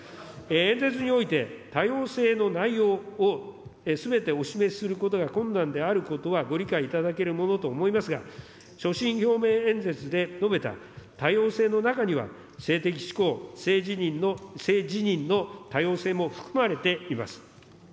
演説において多様性の内容を、すべてお示しすることが困難であることはご理解いただけるものと思いますが、所信表明演説で述べた、多様性の中には、性的指向、性自認の多様性も含まれています。